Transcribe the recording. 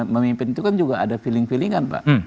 memimpin itu kan juga ada feeling feeling kan pak